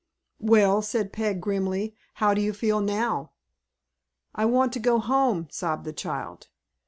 "Well," said Peg, grimly, "how do you feel now?" "I want to go home," sobbed the child.